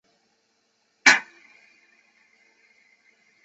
今天看到的木府有些类似微缩版的北京故宫。